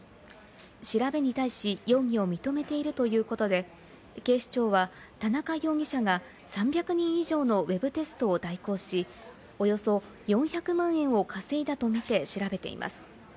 調べに対し容疑を認めているということで警視庁は田中容疑者が３００人以上のウェブテストを代行し、およそ４００万円を稼いだとみて調べています。